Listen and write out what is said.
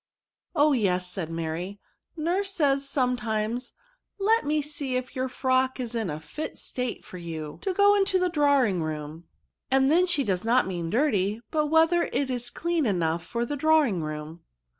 " Oh ! yes," said Mary ;" nurse says some times, ^ let me see if your frock is in a fit state for you to go into the drawing room;' NOUNS. 137 and then she does not mean dirty, but whether it is clean enough for the drawing room."